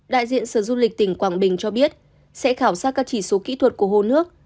đại diện sở du lịch tỉnh quảng bình cho biết sẽ khảo sát các chỉ số kỹ thuật của hồ nước